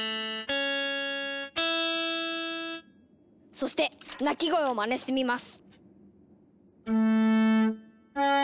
そして鳴き声をまねしてみます！